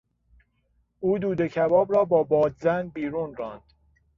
او دود کباب را با بادزن بیرون راند.